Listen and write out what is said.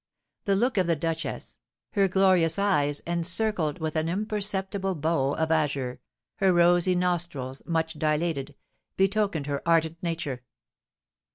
The look of the duchess, her glorious eyes, encircled with an imperceptible bow of azure, her rosy nostrils, much dilated, betokened her ardent nature.